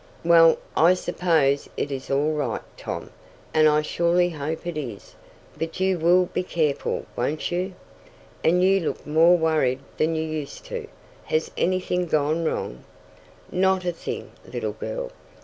"Well, I suppose it is all right, Tom, and I surely hope it is. But you will be careful, won't you? And you look more worried than you used to. Has anything gone wrong?" "Not a thing, little girl.